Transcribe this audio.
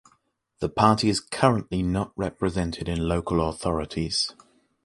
The party is currently not represented in local authorities.